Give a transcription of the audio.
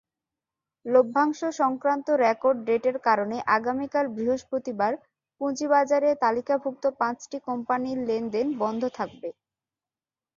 লভ্যাংশ-সংক্রান্ত record ডেটের কারণে আগামীকাল বৃহস্পতিবার পুঁজিবাজারে তালিকাভুক্ত পাঁচটি কোম্পানির লেনদেন বন্ধ থাকবে।